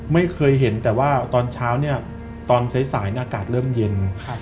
ไม่เคยเห็นแต่ว่าตอนเช้าเนี่ยตอนสายอากาศเริ่มเย็น